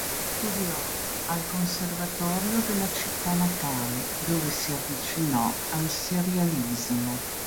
Studiò al conservatorio della città natale, dove si avvicinò al serialismo.